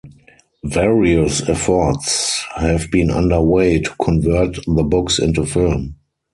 Various efforts have been under way to convert the books into film.